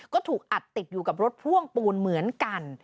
ก็ถูกอัดติดอยู่กับรถพ่วงปูนเหมือนกัน